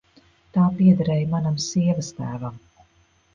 Tā piederēja manam sievastēvam.